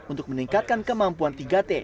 untuk meningkatkan kemampuan tiga t